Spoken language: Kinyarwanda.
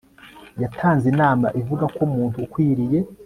yatanze inama ivuga ko umuntu ukwiriye